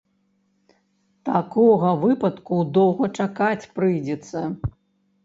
Такога выпадку доўга чакаць прыйдзецца.